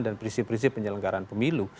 dan prinsip prinsip penyelenggaran pemilu